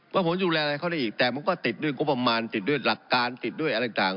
ว่าผมดูแลอะไรเขาได้อีกแต่มันก็ติดด้วยก็ประมาณติดด้วยหลักการติดด้วยอะไรต่าง